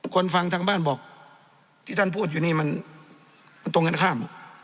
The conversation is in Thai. ฟังทางบ้านบอกที่ท่านพูดอยู่นี่มันตรงกันข้าม